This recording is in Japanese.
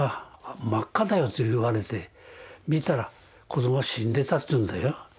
真っ赤だよと言われて見たら子どもは死んでたっていうんだよ。